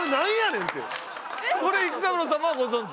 これ育三郎様はご存じ？